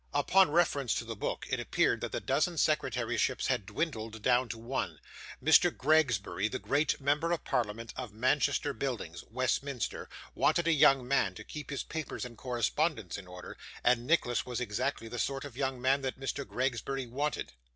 Upon reference to the book, it appeared that the dozen secretaryships had dwindled down to one. Mr. Gregsbury, the great member of parliament, of Manchester Buildings, Westminster, wanted a young man, to keep his papers and correspondence in order; and Nicholas was exactly the sort of young man that Mr. Gregsbury wanted.